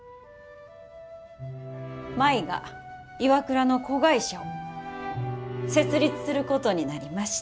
舞がＩＷＡＫＵＲＡの子会社を設立することになりました。